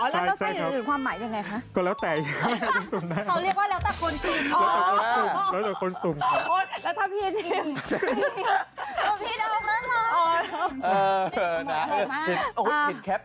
มีความหมายหรอแล้วก็จะมีอีกอย่างไหน